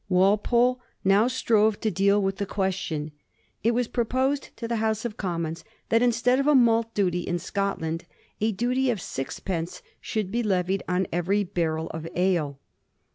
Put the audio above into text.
"Walpole now strove to deal with the question. It was proposed in the House of Commons that instead of a malt duty in Scotland a duty of six pence should be levied on every barrel of ale.